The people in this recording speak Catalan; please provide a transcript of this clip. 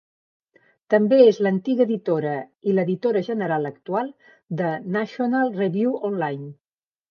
També és l'antiga editora i l'editora general actual de "National Review Online".